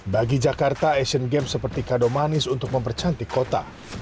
bagi jakarta asian games seperti kado manis untuk mempercantik kota